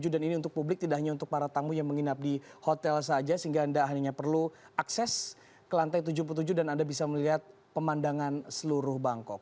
dan ini untuk publik tidak hanya untuk para tamu yang menginap di hotel saja sehingga anda hanya perlu akses ke lantai tujuh puluh tujuh dan anda bisa melihat pemandangan seluruh bangkok